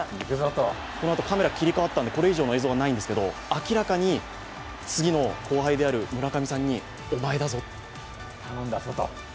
このあとカメラが切り替わったのでこれ以上の映像はないんですけど、次の後輩である村上さんにお前だぞと。